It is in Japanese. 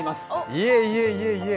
いえいえいえいえ